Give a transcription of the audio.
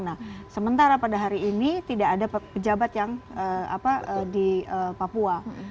nah sementara pada hari ini tidak ada pejabat yang di papua